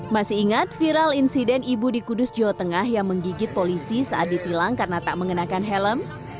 masih ingat viral insiden ibu di kudus jawa tengah yang menggigit polisi saat ditilang karena tak mengenakan helm